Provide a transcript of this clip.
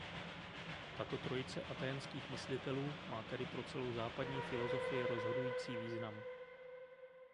Tato trojice athénských myslitelů má tedy pro celou západní filosofii rozhodující význam.